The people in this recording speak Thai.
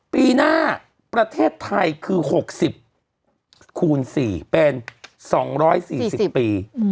ปีหน้าประเทศไทยคือ๖๐คูณ๔เป็น๒๔๐ปี